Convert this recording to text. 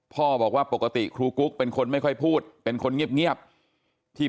พ่อบอกว่าปกติครูกุ๊กเป็นคนไม่ค่อยพูดเป็นคนเงียบที่